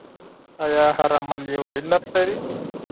آيا هر عمل يو علت لري؟